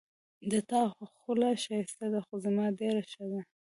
د تا خوله ښایسته ده خو زما ډېره ښه ده